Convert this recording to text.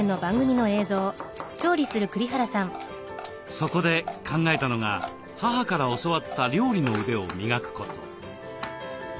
そこで考えたのが母から教わった料理の腕を磨くこと。